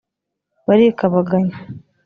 Barikabaganya